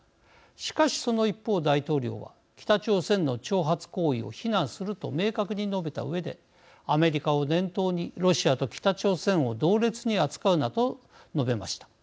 しかしその一方、大統領は北朝鮮の挑発行為を非難すると明確に述べたうえでアメリカを念頭にロシアと北朝鮮を同列に扱うなと述べました。